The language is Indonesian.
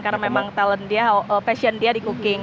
karena memang talent dia passion dia di cooking